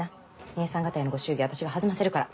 姐さん方へのご祝儀はあたしが弾ませるから。